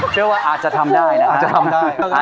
เชื่อว่าอาจจะทำได้นะฮะ